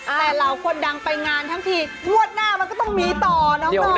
แต่เหล่าคนดังไปงานทั้งทีงวดหน้ามันก็ต้องมีต่อน้องเนย